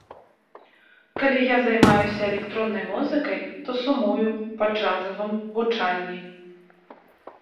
Калі я займаюся электроннай музыкай, то сумую па джазавым гучанні.